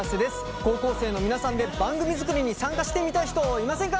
高校生の皆さんで番組作りに参加してみたい人いませんか？